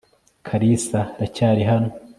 kalisa racyari hano